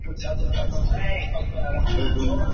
而多切斯特和罗克斯伯里则随着诺福克县成立。